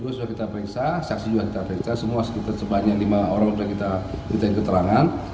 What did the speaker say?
dua sudah kita periksa saksi juga kita periksa semua sekitar sebanyak lima orang sudah kita minta keterangan